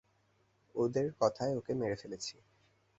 ওদের কথায় ওকে মেরে ফেলেছি।